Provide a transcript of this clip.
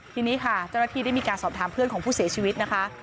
ทีนี้ค่ะเจ้าหน้าที่ได้มีการสอบถามเพื่อนของผู้เสียชีวิตนะคะ